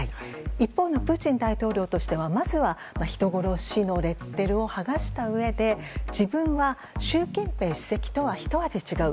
一方のプーチン大統領としてはまずは、人殺しのレッテルを剥がしたうえで自分は習近平主席とはひと味違う。